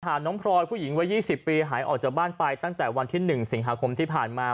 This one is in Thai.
น้องพลอยผู้หญิงวัย๒๐ปีหายออกจากบ้านไปตั้งแต่วันที่๑สิงหาคมที่ผ่านมา